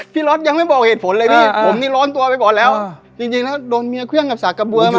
ล็อตยังไม่บอกเหตุผลเลยพี่ผมนี่ร้อนตัวไปก่อนแล้วจริงจริงแล้วโดนเมียเครื่องกับสากกระเบือมา